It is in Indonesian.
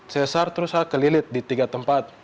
sesar terus saya kelilit di tiga tempat